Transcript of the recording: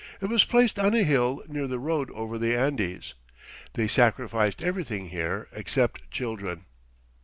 It was placed on a hill near the road over the Andes. They sacrifice everything here except children."